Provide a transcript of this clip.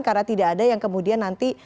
karena tidak ada yang kemudian nanti